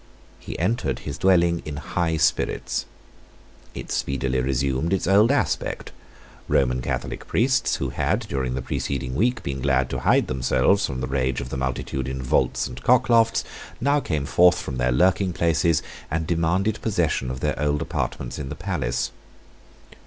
He entered his dwelling in high spirits. It speedily resumed its old aspect. Roman Catholic priests, who had, during the preceding week, been glad to hide themselves from the rage of the multitude in vaults and cocklofts, now came forth from their lurking places, and demanded possession of their old apartments in the palace.